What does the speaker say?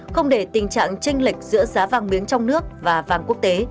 không để tình trạng tranh lệch giữa giá vàng miếng trong nước và vàng quốc tế